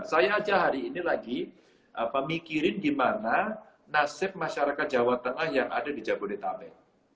saya aja hari ini lagi mikirin gimana nasib masyarakat jawa tengah yang ada di jabodetabek